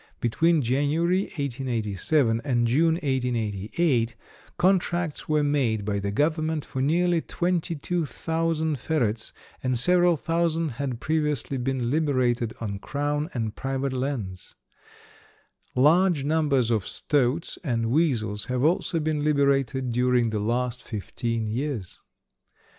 Between January, 1887, and June, 1888, contracts were made by the government for nearly 22,000 ferrets, and several thousand had previously been liberated on crown and private lands. Large numbers of stoats and weasels have also been liberated during the last fifteen years.